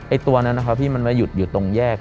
ไอตัวนั้นพี่มันไม่หยุดอยู่ตรงแย่ก